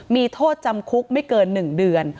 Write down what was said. มีโทษจำคุกไม่เกิน๑เดือน